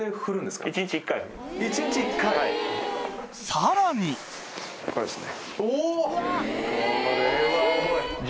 さらにこれですね。